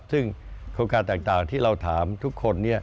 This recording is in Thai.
ซึ่งโครงการต่างที่เราถามทุกคน